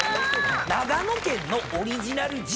長野県のオリジナル地鶏